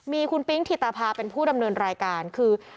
มีคุณปิ๊งถิตภาเป็นผู้ดำเนินรายการคือ